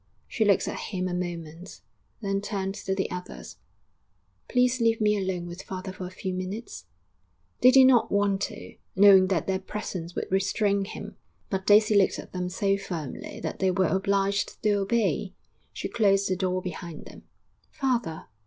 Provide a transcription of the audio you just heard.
She looked at him a moment, then turned to the others. 'Please leave me alone with father for a few minutes.' They did not want to, knowing that their presence would restrain him; but Daisy looked at them so firmly that they were obliged to obey. She closed the door behind them. 'Father!'